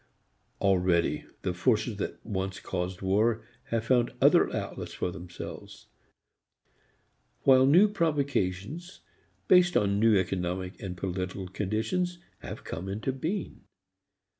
Already the forces that once caused wars have found other outlets for themselves; while new provocations, based on new economic and political conditions, have come into being.